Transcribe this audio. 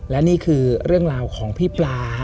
และนี่คือเรื่องราวของพี่ปลา